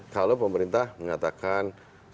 kalau pemerintah mengatakan